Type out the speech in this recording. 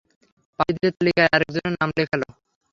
পাপীদের তালিকায় আরেকজন নাম লেখালো!